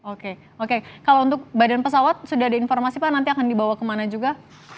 oke oke kalau untuk badan pesawat sudah ada informasi pak nanti akan dibawa kemana juga